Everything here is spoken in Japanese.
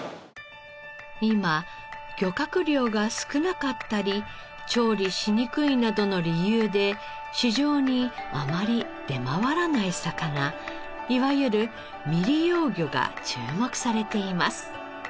今漁獲量が少なかったり調理しにくいなどの理由で市場にあまり出回らない魚いわゆる未利用魚が注目されています。